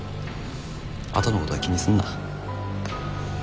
後のことは気にすんな。